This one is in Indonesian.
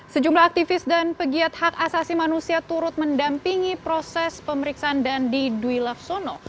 sejumlah aktivis dan pegiat hak asasi manusia turut mendampingi proses pemeriksaan dandi dwi laksono